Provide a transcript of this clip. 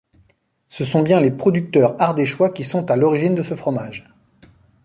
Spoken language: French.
Ce sont bien les producteurs ardéchois qui sont à l'origine de ce fromage.